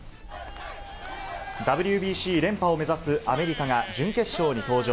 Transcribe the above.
ＷＢＣ連覇を目指すアメリカが準決勝に登場。